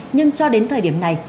nhưng cho đến thời điểm này